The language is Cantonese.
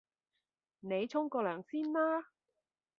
你沖個涼先啦